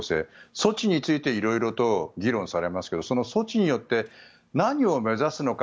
措置について色々と議論されますがその措置によって何を目指すのか。